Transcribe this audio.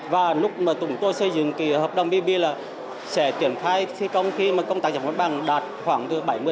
và lúc mà tụi tôi xây dựng hợp đồng bb là sẽ triển khai thi công khi công tác giải phóng mặt bằng đạt khoảng bảy mươi tám mươi